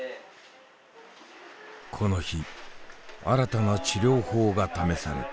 この日新たな治療法が試された。